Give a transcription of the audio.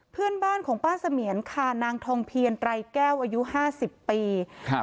เพื่อนบ้านของป้าเสมียนค่ะนางทองเพียรไตรแก้วอายุห้าสิบปีครับ